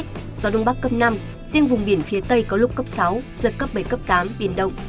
gió đông bắc cấp năm riêng vùng biển phía tây có lúc cấp sáu giật cấp bảy cấp tám biển động